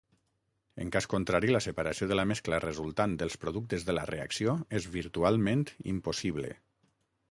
En cas contrari, la separació de la mescla resultant dels productes de la reacció és virtualment impossible.